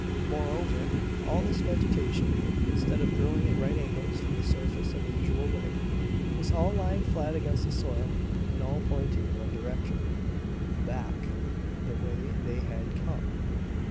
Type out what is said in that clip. Moreover, all this vegetation, instead of growing at right angles from the surface in the usual way, was all lying flat against the soil, and all pointing in one direction back, the way they had come!